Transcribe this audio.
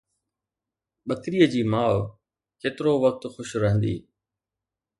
ٻڪريءَ جي ماءُ ڪيترو وقت خوش رهندي؟